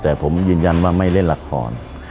แต่ผมยืนยันว่าไม่เล่นละคร